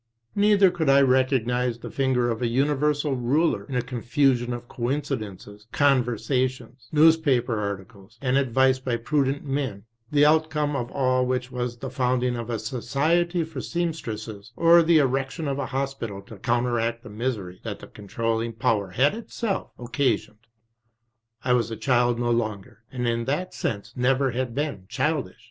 Neither could I recognise the finger of a Universal Ruler in a confusion of coincidences, conversa tions, newspaper articles, and advice by prudent men, the out come of all which was the founding of a society for seam stresses or the erection of a hospital to counteract the misery that the Controlling Power had Itself occasioned. I was a child no longer, and in that sense never had been childish.